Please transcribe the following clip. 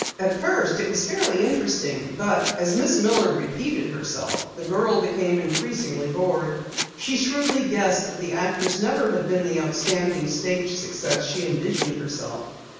As first, it was fairly interesting, but as Miss Miller repeated herself, the girl became increasingly bored. She shrewdly guessed that the actress never had been the outstanding stage success she visioned herself.